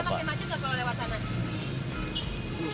bisa pakai macet nggak kalau lewat sana